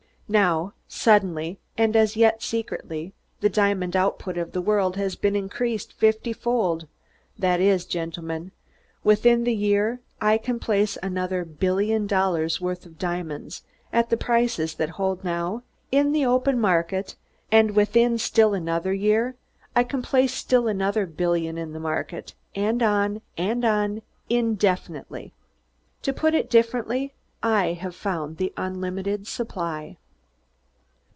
"Now, suddenly, and as yet secretly, the diamond output of the world has been increased fiftyfold that is, gentlemen, within the year I can place another billion dollars' worth of diamonds, at the prices that hold now, in the open market; and within still another year I can place still another billion in the market; and on and on indefinitely. To put it differently, I have found the unlimited supply."